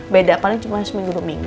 beda paling cuma seminggu dua minggu